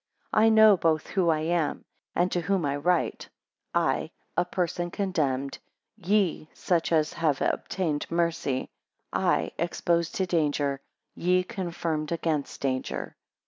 9 I know both who I am, and to whom I write: I, a person condemned; ye, such as have obtained mercy; I, exposed to danger; ye confirmed against danger.